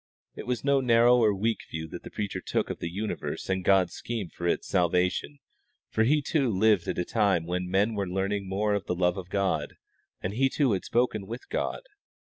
It was no narrow or weak view that the preacher took of the universe and God's scheme for its salvation; for he too lived at a time when men were learning more of the love of God, and he too had spoken with God.